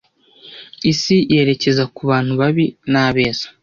Isi yerekeza ku bantu babi nabeza